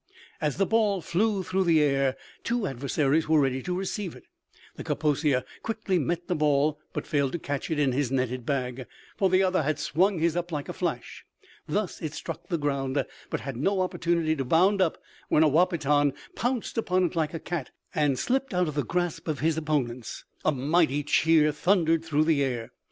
As the ball flew through the air, two adversaries were ready to receive it. The Kaposia quickly met the ball, but failed to catch it in his netted bag, for the other had swung his up like a flash. Thus it struck the ground, but had no opportunity to bound up when a Wahpeton pounced upon it like a cat and slipped out of the grasp of his opponents. A mighty cheer thundered through the air.